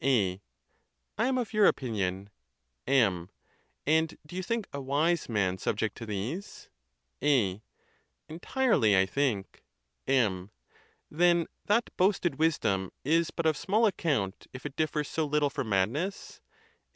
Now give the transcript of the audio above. A, I am of your opinion. M. And do you think a wise man subject to these? A. Entirely, I think. M. Then that boasted wisdom is but of small account, if it differs so little from madness